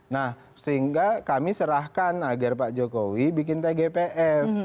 nah sehingga kami serahkan agar pak jokowi bikin tgpf